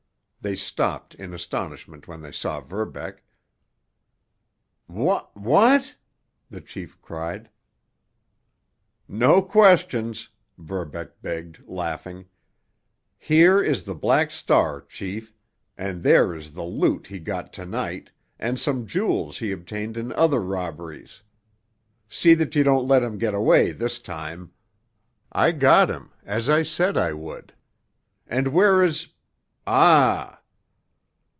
They stopped in astonishment when they saw Verbeck. "Wha what——" the chief cried. "No questions!" Verbeck begged, laughing. "Here is the Black Star, chief, and there is the loot he got to night, and some jewels he obtained in other robberies. See that you don't let him get away this time! I got him—as I said I would. And where is—— Ah!"